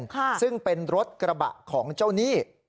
ค่ะซึ่งเป็นรถกระบะของเจ้านี่อ๋อ